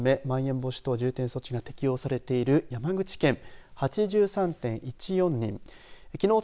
まん延防止等重点措置が適用されている山口県。